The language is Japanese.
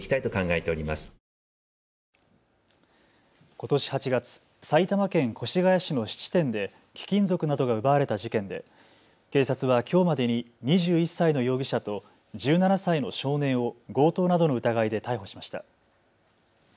ことし８月、埼玉県越谷市の質店で貴金属などが奪われた事件で警察はきょうまでに２１歳の容疑者と１７歳の少年を強盗などの疑いで逮捕しました。